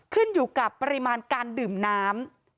ขึ้นอยู่กับปริมาณการดื่มน้ำ